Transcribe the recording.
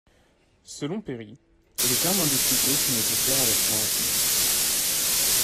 Selon Perry, les termes indexicaux sont nécessaires à l'action rationnelle.